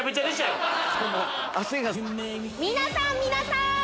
皆さん皆さん！